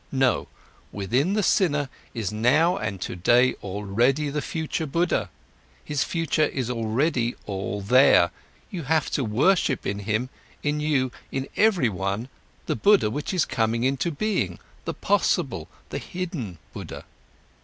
No, within the sinner is now and today already the future Buddha, his future is already all there, you have to worship in him, in you, in everyone the Buddha which is coming into being, the possible, the hidden Buddha.